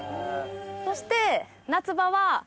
そして。